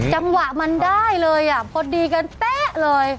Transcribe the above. จังหวะมันได้เลยอ่ะพอดีกันเป๊ะเลย